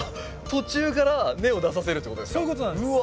途中から根を出させるって事ですか。